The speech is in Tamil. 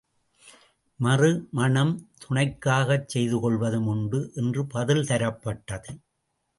மறு மணம்? துணைக்காகச் செய்து கொள்வதும் உண்டு என்று பதில் தரப்பட்டது.